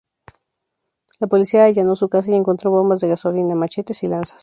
La policía allanó su casa y encontró bombas de gasolina, machetes y lanzas.